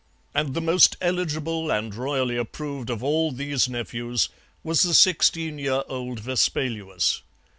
And the most eligible and royally approved of all these nephews was the sixteen year old Vespaluus.